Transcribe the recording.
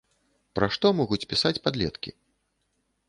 Пра што могуць пісаць падлеткі?